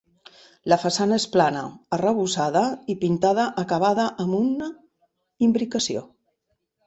La façana és plana, arrebossada i pintada acabada amb una imbricació.